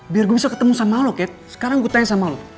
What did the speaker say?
biar gue bisa ketemu sama lok ya sekarang gue tanya sama lo